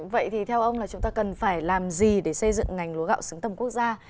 vậy thì theo ông là chúng ta cần phải làm gì để xây dựng ngành lúa gạo xứng tầm quốc gia